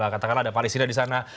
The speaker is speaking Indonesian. katakanlah ada palestina di sana